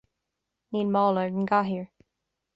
Níl mála ar an gcathaoir